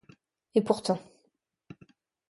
Et pourtant.